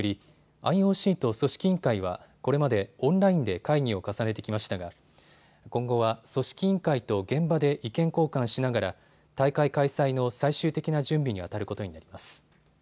ＩＯＣと組織委員会は、これまでオンラインで会議を重ねてきましたが今後は組織委員会と現場で意見交換しながら大会開催の最終的な準備にあたることになります。